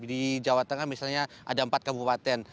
di jawa tengah misalnya ada empat kabupaten